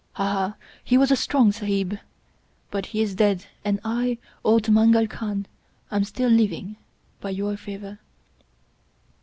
Aha, he was a strong Sahib! But he is dead and I, old Mangal Khan, am still living, by your favor."